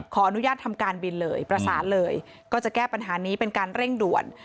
ขออนุญาตทำการบินเลยประสานเลยก็จะแก้ปัญหานี้เป็นการเร่งด่วน